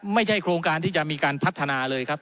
ไม่ใช่โครงการที่จะมีการพัฒนาเลยครับ